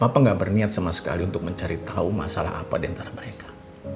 bapak nggak berniat sama sekali untuk mencari tahu masalah apa diantara mereka